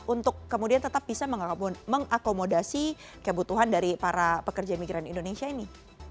untuk kemudian tetap bisa mengakomodasi kebutuhan dari para pekerja migran indonesia ini